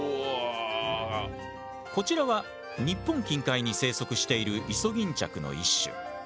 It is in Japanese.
こちらは日本近海に生息しているイソギンチャクの一種。